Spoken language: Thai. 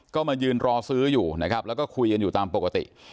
ก็มายืนรอซื้ออยู่นะครับแล้วก็คุยกันอยู่ตามปกติ